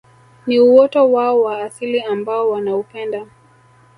Ni uoto wao wa asili ambao wanaupenda